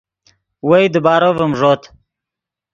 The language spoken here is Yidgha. وئے دیبارو ڤیم ݱوت